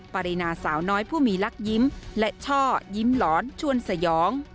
ปรินาสาวน้อยผู้มีลักยิ้มและช่อยิ้มหลอนชวนสยอง